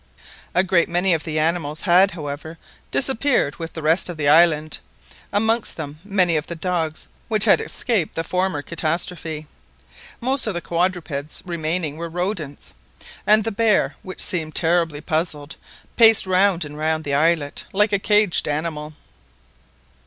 A great many of the animals had, however, disappeared with the rest of the island, amongst them many of the dogs which had escaped the former catastrophe. Most of the quadrupeds remaining were rodents; and the bear, which seemed terribly puzzled, paced round and round the islet like a caged animal.